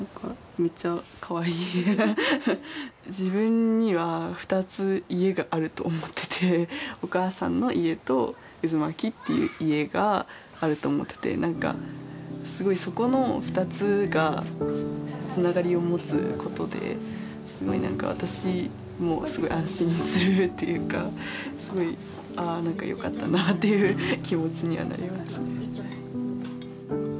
自分には２つ家があると思ってて「お母さんの家」と「うずまき」っていう家があると思ってて何かすごいそこの２つがつながりを持つことですごい何か私もすごい安心するっていうかすごいああ何かよかったなあっていう気持ちにはなりますね。